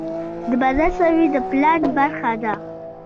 د بازار سروې د پلان برخه ده.